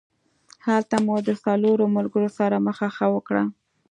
هلته مو د څلورو ملګرو سره مخه ښه وکړه.